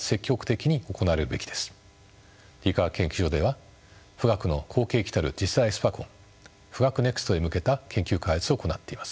理化学研究所では富岳の後継機たる次世代スパコンＦｕｇａｋｕＮＥＸＴへ向けた研究開発を行っています。